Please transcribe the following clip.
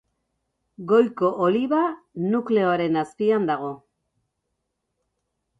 Goiko oliba nukleoaren azpian dago.